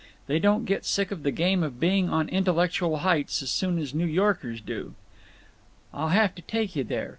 They don't get sick of the game of being on intellectual heights as soon as New Yorkers do. "I'll have to take you there.